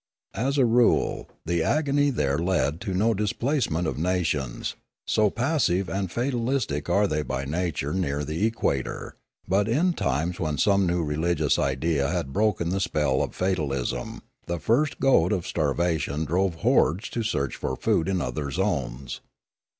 As a rule the agony there led to no displacement of nations, so passive and fatalistic are they by nature near the equator; but in times when some new religious idea had broken the spell of fatalism, the first goad of starvation drove hordes to search for food in other zones.